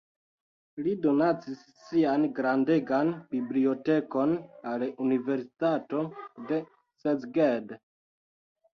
Li donacis sian grandegan bibliotekon al universitato de Szeged.